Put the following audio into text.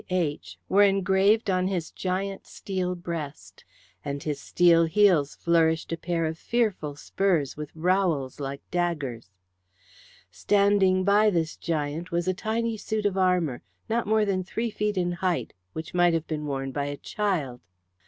H.," were engraved on his giant steel breast, and his steel heels flourished a pair of fearful spurs, with rowels like daggers. Standing by this giant was a tiny suit of armour, not more than three feet in height, which might have been worn by a child.